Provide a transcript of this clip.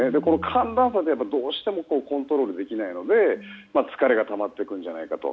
寒暖差はどうしてもコントロールできないので疲れがたまってくるのではないかと。